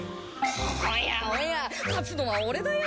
おやおや勝つのは俺だよ。